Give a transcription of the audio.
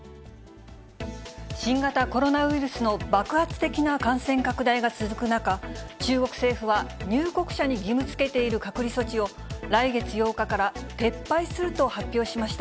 新型コロナウイルスの爆発的な感染拡大が続く中、中国政府は、入国者に義務づけている隔離措置を、来月８日から撤廃すると発表しました。